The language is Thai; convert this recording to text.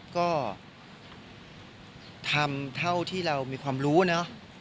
ก็ทำเท่าที่เรามีความรู้เนอะ